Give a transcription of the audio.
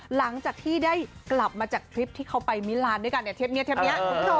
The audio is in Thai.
หลังจากที่ได้กลับมาจากทริปที่เขาไปมิลานด้วยกันเนี่ยเทปนี้เทปนี้คุณผู้ชม